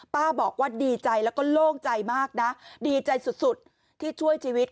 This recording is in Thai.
บอกว่าดีใจแล้วก็โล่งใจมากนะดีใจสุดที่ช่วยชีวิต